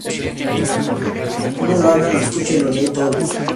Uno lo habla, lo escucha y lo lee todos los días.